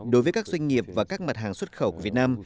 đối với các doanh nghiệp và các mặt hàng xuất khẩu của việt nam